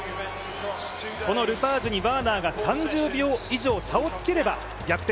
このルパージュにワーナーに３０秒以上差をつければ逆転